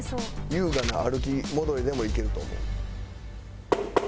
優雅な歩き戻りでもいけると思う。